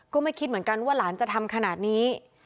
ก็ไม่คิดเหมือนกันว่าหลานจะทำขนาดนี้